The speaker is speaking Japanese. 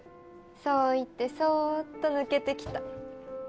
そう言ってそっと抜けてきた。